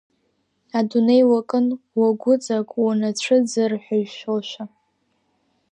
Адунеи уакын уагәыҵак унацәыӡыр ҳәа ишәошәа.